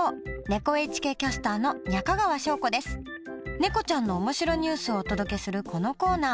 ねこちゃんの面白ニュースをお届けするこのコーナー。